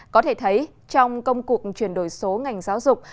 có thể thấy trong công cuộc chuyển đổi số ngành giáo dục